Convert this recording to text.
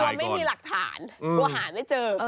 ถ่ายก่อนไม่มีหลักฐานหัวหาไม่เจอ